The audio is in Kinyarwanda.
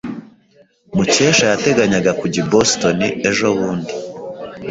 Mukesha yateganyaga kujya i Boston ejobundi.